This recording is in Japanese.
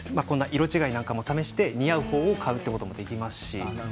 色違いを試して似合う方を買うこともできますし。